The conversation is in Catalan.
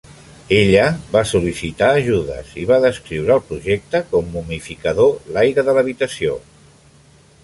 Ella va sol·licitar ajudes i va descriure el projecte com "momificador l'aire de l'habitació".